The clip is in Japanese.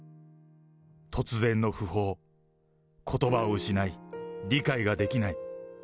突然の訃報、ことばを失い、理解ができない。